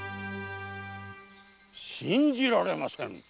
信じられません。